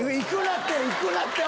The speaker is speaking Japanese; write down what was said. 行くなって！